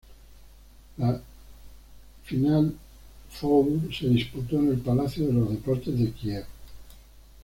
La final four se disputó en el Palacio de los deportes de Kiev.